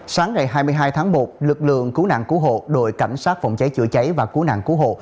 sáng ngày hai mươi hai tháng một lực lượng cứu nạn cứu hộ đội cảnh sát phòng cháy chữa cháy và cứu nạn cứu hộ